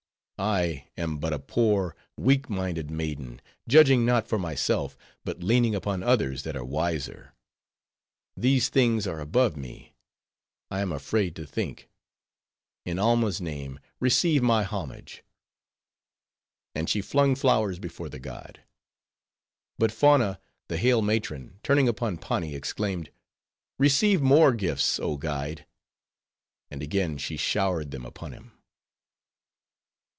I am but a poor, weak minded maiden, judging not for myself, but leaning upon others that are wiser. These things are above me. I am afraid to think. In Alma's name, receive my homage." And she flung flowers before the god. But Fauna, the hale matron, turning upon Pani, exclaimed, "Receive more gifts, oh guide." And again she showered them upon him.